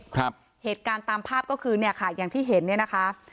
เหตุการณ์ตามภาพก็คือเนี่ยค่ะอย่างที่เห็นเนี่ยนะคะ